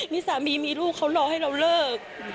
นี่สามีมีลูกเขารอให้เราเลิก